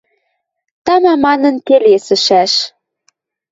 Тама манын келесӹшӓш.